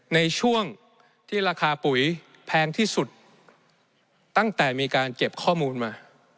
ในช่วงที่ราคาปุ๋ยแพงที่สุดตั้งแต่มีการเก็บข้อมูลมา